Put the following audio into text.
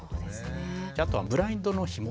あとはブラインドのひも。